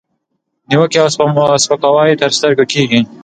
نیوکې او سپکاوي تر سترګو کېږي،